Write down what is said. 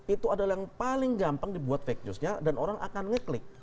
itu adalah yang paling gampang dibuat fake newsnya dan orang akan ngeklik